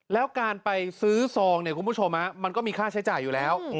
แล้วการไปซื้อซองเนี่ยคุณผู้ชมมันก็มีค่าใช้จ่ายอยู่แล้ว